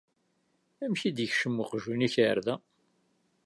Amek i d-yekcem uqjun-ik ɣer da?